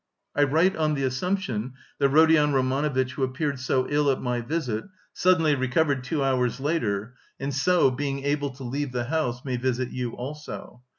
I write on the assumption that Rodion Romanovitch who appeared so ill at my visit, suddenly recovered two hours later and so, being able to leave the house, may visit you also.